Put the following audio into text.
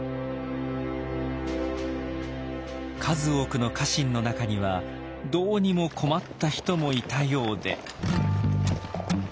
数多くの家臣の中にはどうにも困った人もいたようで。